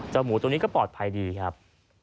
อ๋อเจ้าหมูตรงนี้ก็ปลอดภัยดีครับ